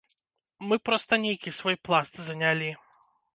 Мы проста нейкі свой пласт занялі.